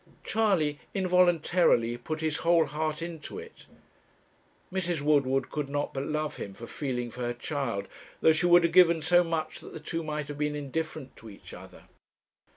Charley involuntarily put his whole heart into it. Mrs. Woodward could not but love him for feeling for her child, though she would have given so much that the two might have been indifferent to each other.